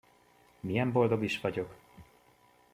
Milyen boldog is vagyok!